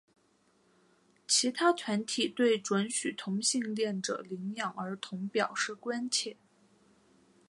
其他团体对准许同性恋者领养儿童表示关切。